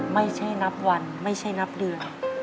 ไม่ใช่นับวันไม่ใช่นับเดือน